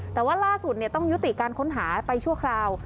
แต่ว่าล่าสุดต้องยุติการค้นหาไปชั่วคราว